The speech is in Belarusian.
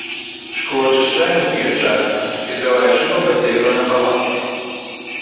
Шклоачышчальнікі рычажныя, ветравая шыба падзелена напалам.